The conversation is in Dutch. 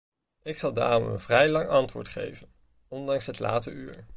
Ik zal daarom een vrij lang antwoord geven, ondanks het late uur.